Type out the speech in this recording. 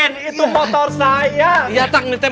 ngoan ma probnya buruan